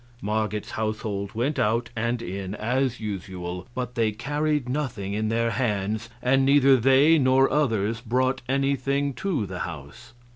Marget's household went out and in as usual, but they carried nothing in their hands, and neither they nor others brought anything to the house.